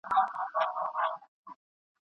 له هغې روسته